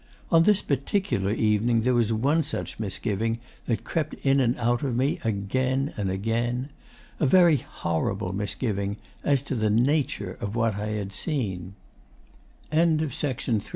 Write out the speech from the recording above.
On this particular evening there was one such misgiving that crept in and out of me again and again... a very horrible misgiving as to the NATURE of what I had seen. 'Well, dressing for dinner is a great ton